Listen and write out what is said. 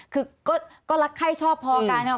คือก็รักให้ชอบพอการเนี่ย